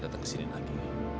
datang ke sini lagi